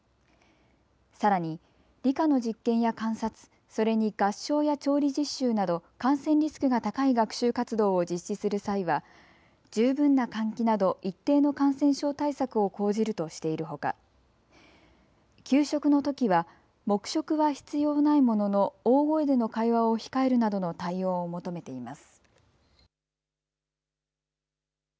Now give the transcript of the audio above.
さらに、理科の実験や観察、それに合唱や調理実習など感染リスクが高い学習活動を実施する際は十分な換気など一定の感染症対策を講じるとしているほか、給食のときは黙食は必要ないものの大声での会話を控えるなどの対応を求めています。